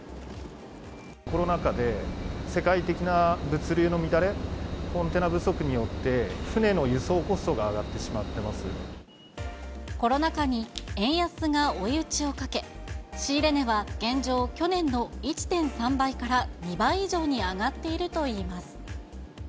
コロナ禍で世界的な物流の乱れ、コンテナ不足によって、船の輸送コストが上がってしまっコロナ禍に円安が追い打ちをかけ、仕入れ値は現状、去年の１．３倍から２倍以上に上がっているといいます。